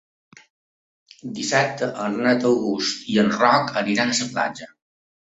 Dissabte en Renat August i en Roc aniran a la platja.